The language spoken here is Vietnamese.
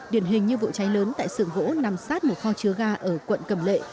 điển hình như vụ cháy lớn tại sưởng gỗ nằm sát một kho chứa ga ở quận cầm lệ